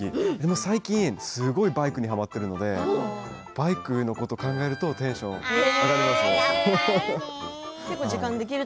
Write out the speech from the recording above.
最近すごいバイクにはまっているのでバイクのことを考えるとテンションが上がる。